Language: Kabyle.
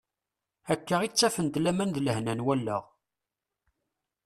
Akka i ttafent laman d lehna n wallaɣ.